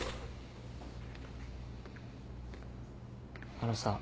あのさ。